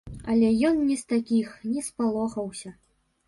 Але ён не з такіх, не спалохаўся.